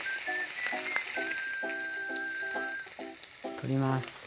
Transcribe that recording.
取ります。